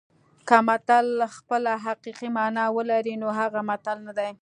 که متل خپله حقیقي مانا ولري نو هغه متل نه دی